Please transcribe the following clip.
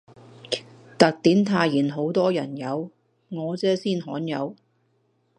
特典泰妍好多人有，我姐先罕有